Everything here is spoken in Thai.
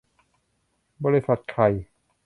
บริษัทใคร ?